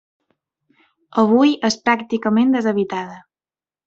Avui és pràcticament deshabitada.